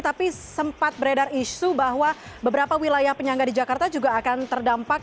tapi sempat beredar isu bahwa beberapa wilayah penyangga di jakarta juga akan terdampak